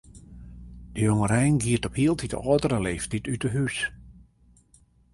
De jongerein giet op hieltyd âldere leeftiid út 'e hús.